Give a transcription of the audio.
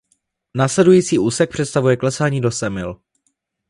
Následující úsek představuje klesání do Semil.